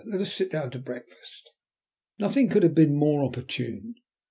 Let us sit down to breakfast." Nothing could have been more opportune.